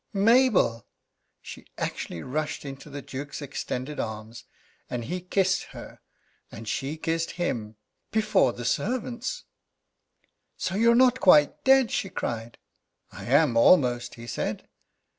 "Mabel!" She actually rushed into the Duke's extended arms. And he kissed her, and she kissed him before the servants. "So you're not quite dead?" she cried. "I am almost," he said.